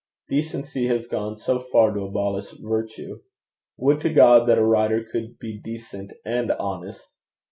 Decency has gone so far to abolish virtue. Would to God that a writer could be decent and honest!